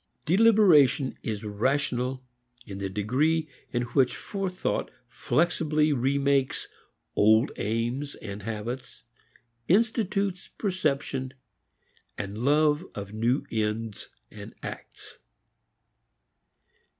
Deliberation is rational in the degree in which forethought flexibly remakes old aims and habits, institutes perception and love of new ends and acts.